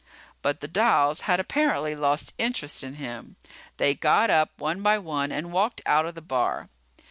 But the dolls had apparently lost interest in him. They got up one by one and walked out of the bar.